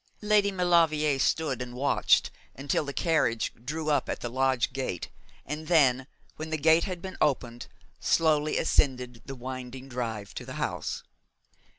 Lady Maulevrier stood and watched until the carriage drew up at the lodge gate, and then, when the gate had been opened, slowly ascended the winding drive to the house.